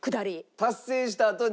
達成したあとに。